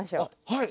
はい。